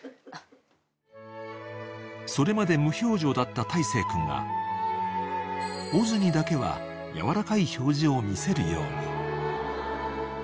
［それまで無表情だった大生君がオズにだけは柔らかい表情を見せるように］